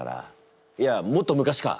いやもっと昔か？